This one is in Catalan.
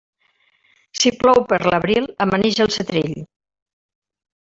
Si plou per l'abril, amanix el setrill.